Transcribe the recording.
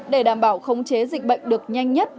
để đảm bảo khống chế dịch bệnh được nhanh nhất